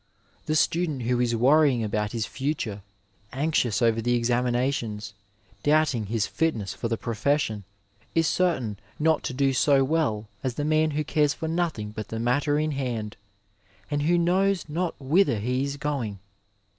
The student who is worrying about his future, anxious over the examinations, doubting his fitness for the profession, is certain not to do so well as the man who cares for nothing but the matter in hand, and who knows not whither he is going!